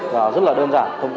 và rất là đơn giản